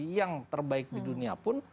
yang terbaik di dunia pun